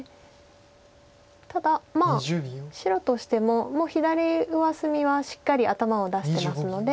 ただ白としても左上隅はしっかり頭を出してますので。